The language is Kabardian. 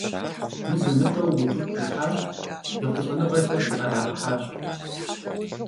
Mıze - mıt'eu vutıku yihaş, yêxhulh'enığexer zı'erağehaş.